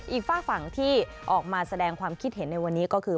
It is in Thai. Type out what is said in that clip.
ฝากฝั่งที่ออกมาแสดงความคิดเห็นในวันนี้ก็คือ